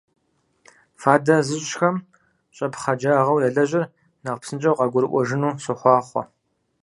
Фадэ зыщӀхэм щӀэпхъаджагъэу ялэжьыр нэхъ псынщӀэу къагурыӀуэжыну сохъуахъуэ!